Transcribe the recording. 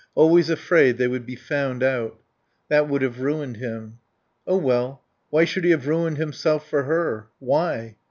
Always afraid they would be found out. That would have ruined him. Oh well why should he have ruined himself for her? Why?